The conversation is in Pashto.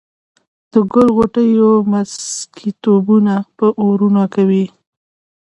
د ګل غوټو مسكيتوبونه به اورونه کوي